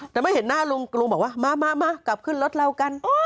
แต่ไม่เห็นหน้าลุงลุงบอกว่ามากลับขึ้นรถเรากัน